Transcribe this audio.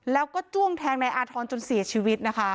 แล้วก็จ้วงแทงนายอาธรณ์จนเสียชีวิตนะคะ